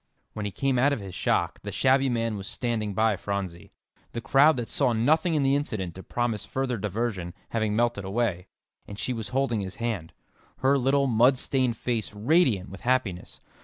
When he came out of his shock, the shabby man was standing by Phronsie, the crowd that saw nothing in the incident to promise further diversion, having melted away, and she was holding his hand, her little, mud stained face radiant with happiness.